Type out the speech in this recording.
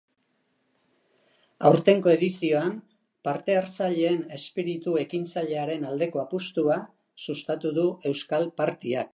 Aurtengo edizioan, parte-hartzaileen espiritu ekintzailearen aldeko apustua sustatu du euskal partyak.